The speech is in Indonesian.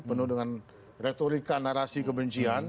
penuh dengan retorika narasi kebencian